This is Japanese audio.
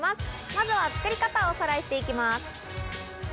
まずは作り方をおさらいしていきます。